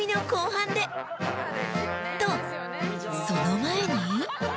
［とその前に］